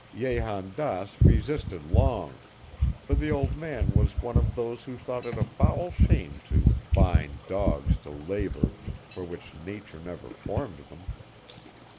Jehan Daas resisted long, for the old man was one of those who thought it a foul shame to bind dogs to labor for which Nature never formed them.